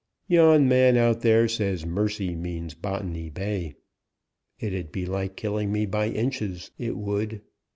Yon man out there says mercy means Botany Bay. It 'ud be like killing me by inches, that would.